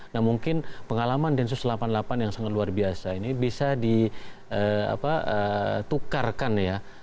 nah mungkin pengalaman densus delapan puluh delapan yang sangat luar biasa ini bisa ditukarkan ya